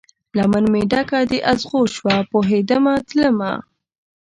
لمن مې ډکه د اغزو شوه، پوهیدمه تلمه